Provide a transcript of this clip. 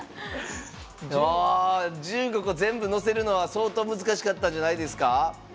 １５個全部のせるのは相当難しかったんじゃないですか。